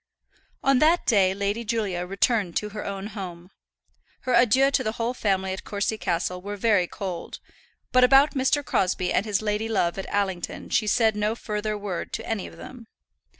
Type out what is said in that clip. On that day Lady Julia returned to her own home. Her adieux to the whole family at Courcy Castle were very cold, but about Mr. Crosbie and his lady love at Allington she said no further word to any of them.